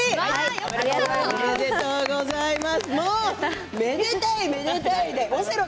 逆におめでとうございます。